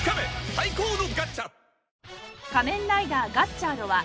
最高のガッチャ！